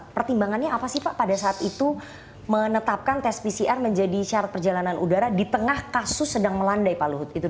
pertimbangannya apa sih pak pada saat itu menetapkan tes pcr menjadi syarat perjalanan udara di tengah kasus sedang melandai pak luhut